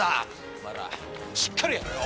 お前らしっかりやれよ。